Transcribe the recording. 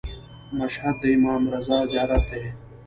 مشهد د امام رضا زیارت دی.